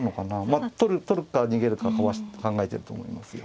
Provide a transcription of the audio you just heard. まあ取るか逃げるか考えてると思いますよ。